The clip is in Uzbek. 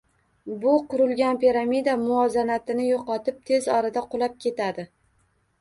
Bu qurilgan piramida muvozanatini yo’qotib tez orada qulab ketadi.